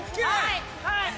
はい！